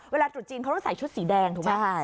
ตรุษจีนเขาต้องใส่ชุดสีแดงถูกไหม